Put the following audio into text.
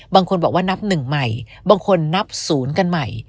บางคนบอกว่านับหนึ่งใหม่บางคนนับศูนย์กันใหม่